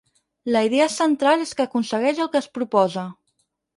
La idea central és que aconsegueix el que es proposa.